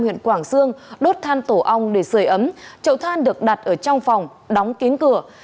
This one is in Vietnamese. huyện quảng xương đốt than tổ ong để sời ấm chậu than được đặt ở trong phòng đóng kín cửa